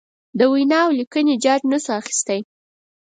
د وینا اولیکنې جاج نشو اخستی.